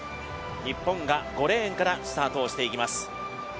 日本が５レーンからスタートをしていきます。